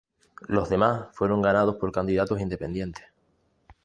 Los demás fueron ganados por candidatos independientes.